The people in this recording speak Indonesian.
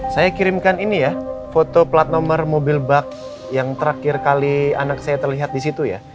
saya kirimkan ini ya foto plat nomor mobil bak yang terakhir kali anak saya terlihat di situ ya